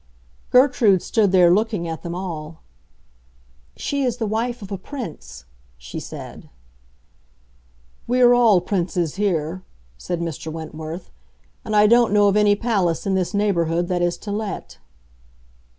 Gertrude stood there looking at them all. "She is the wife of a Prince," she said. "We are all princes here," said Mr. Wentworth; "and I don't know of any palace in this neighborhood that is to let."